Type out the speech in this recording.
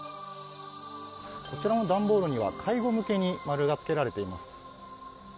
こちらの段ボールには「介護向け」に○が付けられています。